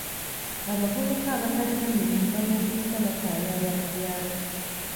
Abavubuka abatalina mirimu bamaliriza bataayaaya mu byalo.